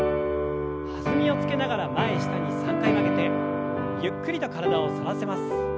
弾みをつけながら前下に３回曲げてゆっくりと体を反らせます。